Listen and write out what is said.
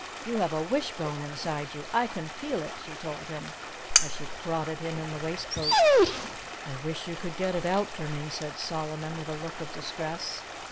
You have a wishbone inside you. I can feel it!" she told him, as she prodded him in the waistcoat. "I wish you could get it out for me!" said Solomon with a look of distress.